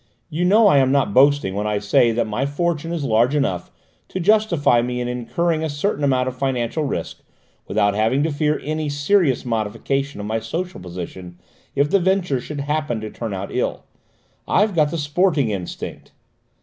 You know I am not boasting when I say that my fortune is large enough to justify me in incurring a certain amount of financial risk without having to fear any serious modification of my social position if the ventures should happen to turn out ill. I've got the sporting instinct."